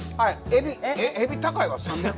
エビ。